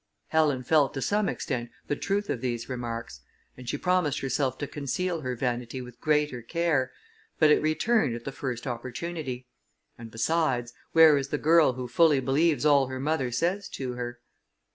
Helen felt, to some extent, the truth of these remarks, and she promised herself to conceal her vanity with greater care, but it returned at the first opportunity; and besides, where is the girl who fully believes all her mother says to her?